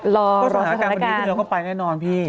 รอรอสถานการณ์สถานการณ์ปันนี้เราก็ไปแน่นอนพี่